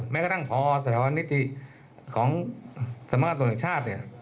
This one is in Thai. แม้กระทั่งภสถานีทริย์ของสำหรับตัวเองชาติ